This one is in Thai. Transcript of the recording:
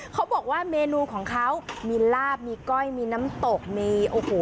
เขาบอกว่าเมนูของเขามีลาบมีก้อยมีน้ำตกมีโอ้โห